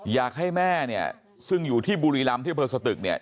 อยากให้แม่เนี่ยซึ่งอยู่ที่บุรีรำที่อำเภอสตึกเนี่ย